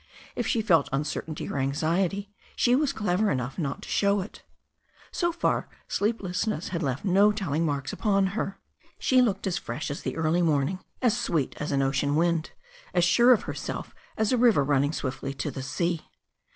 If she felt uncertainty or anxiety she was clever enough not to show it. So far sleeplessness had left no telling marks upon her. She looked as fresh as the early morn ing, as sweet as an ocean wind, as sure of herself as a river running swiftly to the sea.